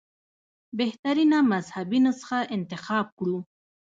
بهترینه مذهبي نسخه انتخاب کړو.